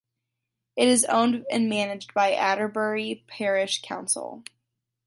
It is owned and managed by Adderbury Parish Council.